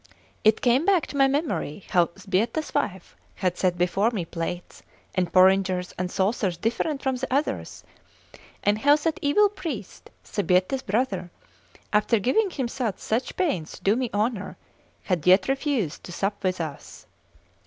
It came back to my memory how Sbietta's wife had set before me plates, and porringers, and saucers different from the others, and how that evil priest, Sbietta's brother, after giving himself such pains to do me honour, had yet refused to sup with us.